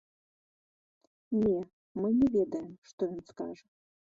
Не, мы не ведаем, што ён скажа.